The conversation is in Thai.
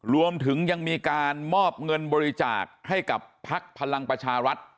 รวมถึงยังมีการมอบเงินบริจาคให้กับพักพลังประชารัฐ